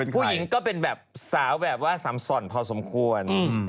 ผู้หญิงก็เป็นแบบสาวแบบว่าสำส่อนพอสมควร